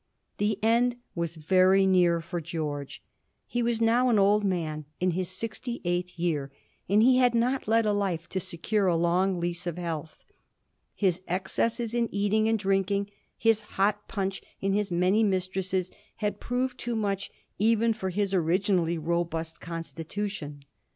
The end was very near for George. He was now an old man, in his sixty eighth year, and he had not led a life to secure a long lease of health. His excesses in eating and drinking, his hot punch, and his many mistresses, had proved too much even for his originally robust constitution.